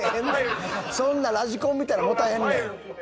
そんなラジコンみたいに持たへんねん。